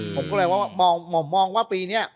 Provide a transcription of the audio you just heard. ผมก็เลยว่าผมมองว่าปีนี้